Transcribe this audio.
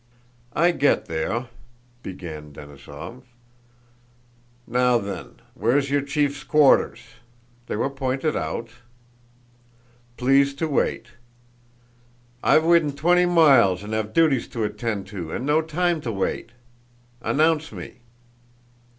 "I get there," began Denísov. "'Now then, where's your chief's quarters?' They were pointed out. 'Please to wait.' 'I've widden twenty miles and have duties to attend to and no time to wait. Announce me.